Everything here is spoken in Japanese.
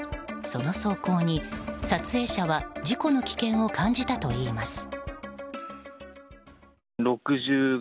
その走行に撮影者は事故の危険を感じたといいます。